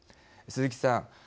鈴木さん。